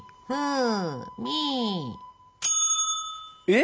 えっ？